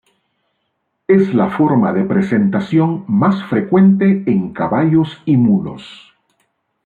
Es la forma de presentación más frecuente en caballos y mulos.